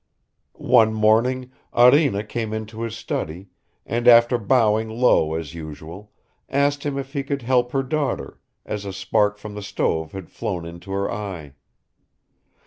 One morning Arina came into his study, and after bowing low as usual, asked him if he could help her daughter, as a spark from the stove had flown into her eye.